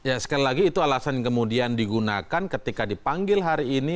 ya sekali lagi itu alasan yang kemudian digunakan ketika dipanggil hari ini